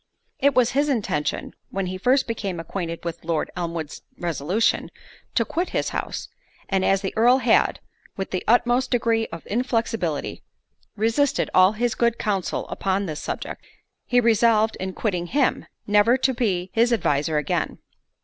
It was his intention, when he first became acquainted with Lord Elmwood's resolution, to quit his house; and as the Earl had, with the utmost degree of inflexibility, resisted all his good counsel upon this subject, he resolved, in quitting him, never to be his adviser again.